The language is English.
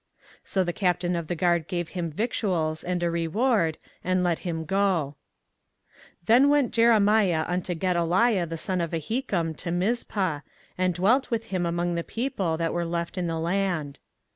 So the captain of the guard gave him victuals and a reward, and let him go. 24:040:006 Then went Jeremiah unto Gedaliah the son of Ahikam to Mizpah; and dwelt with him among the people that were left in the land.